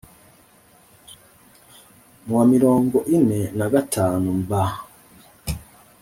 mu wa mirongo ine na gatanumbers